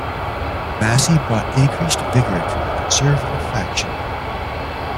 Massey brought increased vigour to the conservative faction.